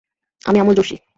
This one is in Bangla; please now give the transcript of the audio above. আমি আমল যোশি।